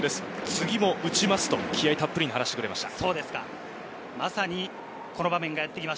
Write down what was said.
次も打ちますと気合いたっぷりに話してくれました。